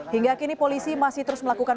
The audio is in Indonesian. hingga kini polisi masih terus melakukan